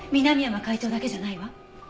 南山会長だけじゃないわ。